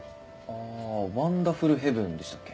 ああワンダフルヘブンでしたっけ？